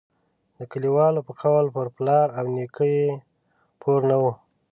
د کلیوالو په قول پر پلار او نیکه یې پور نه وو.